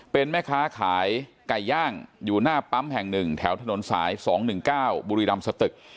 เป็นแม่ค้าขายไก่ย่างอยู่หน้าปั๊มแห่ง๑แถวถนนสาย๒๑๙บุรีรำสตึก